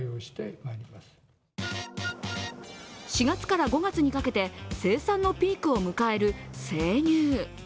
４月から５月にかけて生産のピークを迎える生乳。